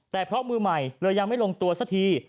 แต่เพราะมือใหม่เลยยังไม่ลงตัวสักที